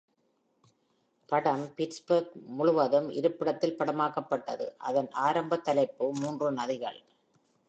படம் பிட்ஸ்பர்க் முழுவதும் இருப்பிடத்தில் படமாக்கப்பட்டது; அதன் ஆரம்ப தலைப்பு "மூன்று நதிகள்".